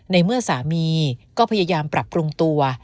ในเมื่อสามีก็พยายามปรับปรุงตัว